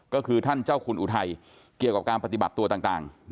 ก็คือท่านเจ้าคุณอุทัยเกี่ยวกับการปฏิบัติตัวต่าง